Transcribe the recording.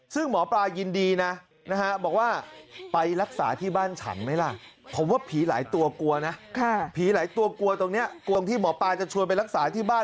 ที่หมอปลาจะชวนไปรักษาที่บ้านนี่แหละนะครับ